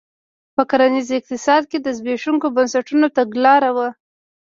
په کرنیز اقتصاد کې د زبېښونکو بنسټونو تګلاره وه.